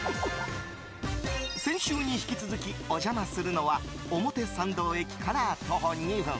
先週に引き続きお邪魔するのは表参道駅から徒歩２分。